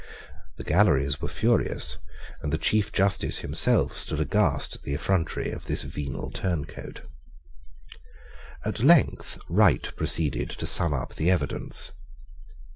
The galleries were furious; and the Chief justice himself stood aghast at the effrontery of this venal turncoat. At length Wright proceeded to sum up the evidence.